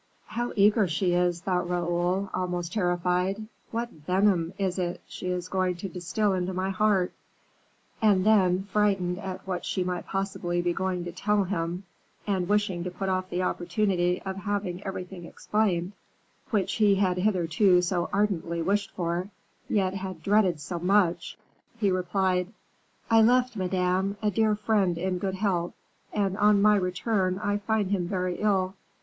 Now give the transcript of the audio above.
"How eager she is," thought Raoul, almost terrified; "what venom is it she is going to distil into my heart?" and then, frightened at what she might possibly be going to tell him, and wishing to put off the opportunity of having everything explained, which he had hitherto so ardently wished for, yet had dreaded so much, he replied: "I left, Madame, a dear friend in good health, and on my return I find him very ill."